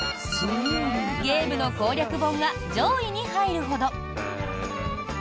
ゲームの攻略本が上位に入るほど。